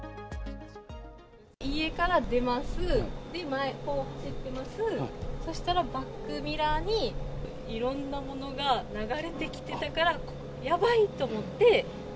家から出ます、前、こう走ってます、そしたらバックミラーにいろんなものが流れてきてたから、やばい！と思って。